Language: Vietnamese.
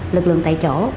lực lượng tại chỗ